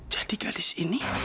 jadi gadis ini